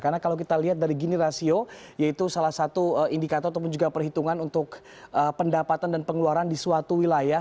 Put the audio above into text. karena kalau kita lihat dari gini rasio yaitu salah satu indikator ataupun juga perhitungan untuk pendapatan dan pengeluaran di suatu wilayah